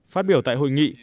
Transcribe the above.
phát biểu tại hội nghị